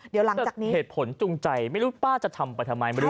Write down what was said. เดี๋ยวหลังจากนี้เหตุผลจูงใจไม่รู้ป้าจะทำไปทำไมไม่รู้